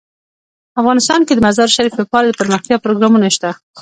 افغانستان کې د مزارشریف لپاره دپرمختیا پروګرامونه شته.